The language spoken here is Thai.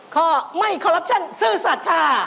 ข้อไม่คอรัปชั่นซื่อสัตว์ค่ะ